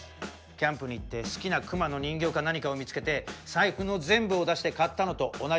キャンプに行って好きな熊の人形か何かを見つけて財布の全部を出して買ったのと同じです。